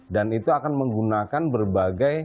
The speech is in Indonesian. dan itu akan menggunakan berbagai